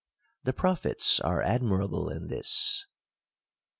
The prophets are admirable in this.